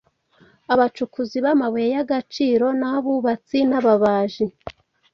abacukuzi bamabuye yagaciro nabubatsi nababaji